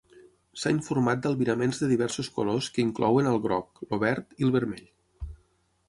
S'ha informat d'albiraments de diversos colors que inclouen al groc, el verd i el vermell.